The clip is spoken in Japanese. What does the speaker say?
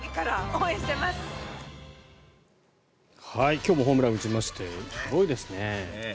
今日もホームランを打ちましてすごいですね。